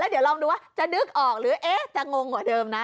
แล้วเดี๋ยวลองดูว่าจะนึกออกหรือเอ๊ะจะงงออกเดิมนะ